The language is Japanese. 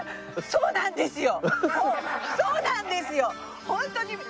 そうなんですよ